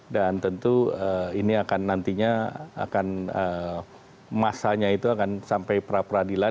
dan tentu ini akan nantinya akan masanya itu akan sampai pra peradilan